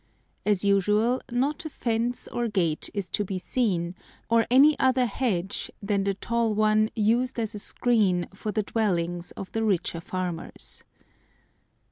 As usual not a fence or gate is to be seen, or any other hedge than the tall one used as a screen for the dwellings of the richer farmers.